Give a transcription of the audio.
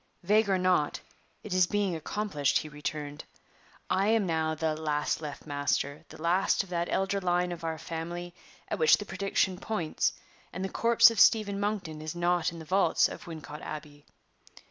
"Vague or not, it is being accomplished," he returned. "I am now the 'last left master' the last of that elder line of our family at which the prediction points; and the corpse of Stephen Monkton is not in the vaults of Wincot Abbey.